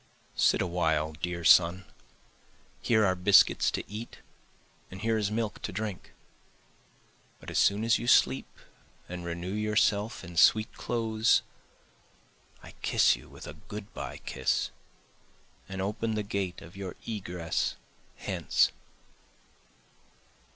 Sit a while dear son, Here are biscuits to eat and here is milk to drink, But as soon as you sleep and renew yourself in sweet clothes, I kiss you with a good by kiss and open the gate for your egress hence.